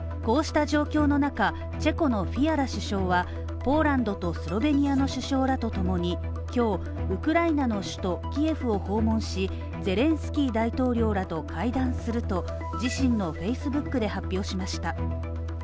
こうした状況の中、チェコのフィアラ首相はポーランドとスロベニアの首相らとともに今日ウクライナの首都キエフを訪問し、ゼレンスキー大統領らと会談すると自身のＦａｃｅｂｏｏｋで発表しました。